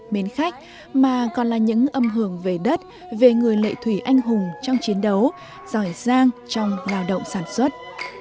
mến khách mà còn là những âm hưởng về đất về người lệ thủy anh hùng trong chiến đấu giỏi giang trong lao động sản xuất